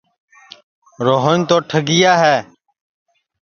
روہن تو ٹھگِیا ہے